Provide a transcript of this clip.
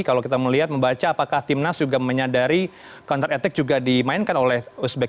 kalau kita melihat membaca apakah timnas juga menyadari counter etik juga dimainkan oleh uzbek